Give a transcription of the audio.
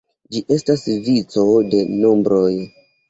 Ĝi estas vico de nombroj.